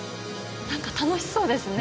何か楽しそうですね